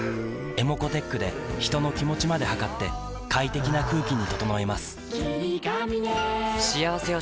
ｅｍｏｃｏーｔｅｃｈで人の気持ちまで測って快適な空気に整えます